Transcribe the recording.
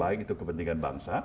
baik itu kepentingan bangsa